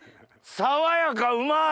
爽やかうまい！